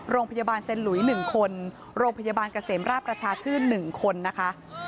โรงพยาบาลเซ็นหลุย๑คนโรงพยาบาลเกษมราชประชาชื่น๑คนนะคะ